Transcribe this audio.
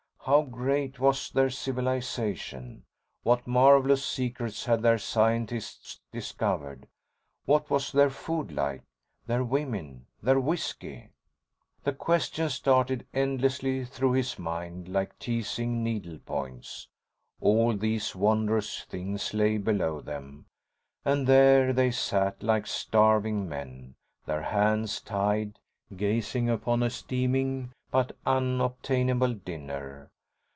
How great was their civilization? What marvelous secrets had their scientists discovered? What was their food like, their women, their whiskey? The questions darted endlessly through his mind like teasing needle points. All these wondrous things lay below them, and here they sat, like starving men, their hands tied, gazing upon a steaming but unobtainable dinner.